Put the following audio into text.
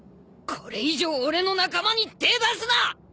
これ以上俺の仲間に手出すな！